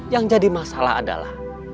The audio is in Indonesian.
yang jadi masalah adalah